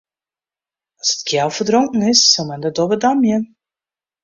As it keal ferdronken is, sil men de dobbe damje.